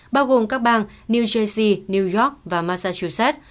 bao gồm các bang new jersey new york và massachusetts